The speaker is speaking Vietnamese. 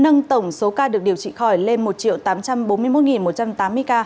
nâng tổng số ca được điều trị khỏi lên một tám trăm bốn mươi một một trăm tám mươi ca